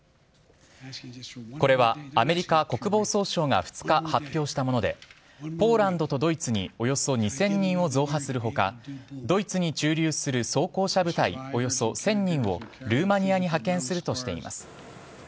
これはアメリカ国防総省が２日、発表したものでポーランドとドイツにおよそ２０００人を増派する他ドイツに駐留する装甲車部隊およそ１０００人をルーマニアに派遣するとしています。